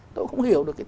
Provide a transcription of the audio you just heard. tôi cũng không hiểu được